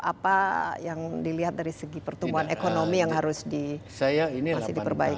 apa yang dilihat dari segi pertumbuhan ekonomi yang harus diperbaiki